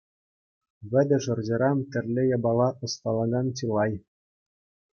Вӗтӗ шӑрҫаран тӗрлӗ япала ӑсталакан чылай.